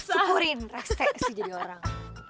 syukurin restek sih jadi orang